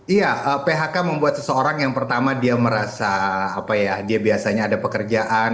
iya phk membuat seseorang yang pertama dia merasa apa ya dia biasanya ada pekerjaan